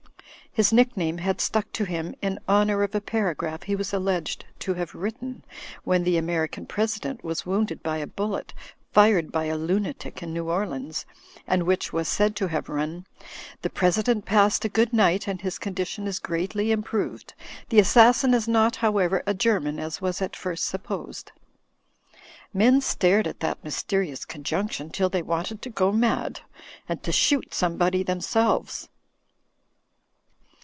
His nickname had stuck to him in honour of a paragraph he was alleged to have written when the American President was wounded by a bullet fired by a lunatic in New Orleans, and which was said to have run, "The President passed a good night and his condition is greatly improved. The assassin is not, however, a German, as was at first supposed." Men stared at that mysterious conjunction till they wanted to go mad and to shoot somebody themselves.